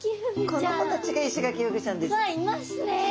この子たちがイシガキフグちゃんです。